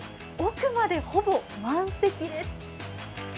奥までほぼ満席です。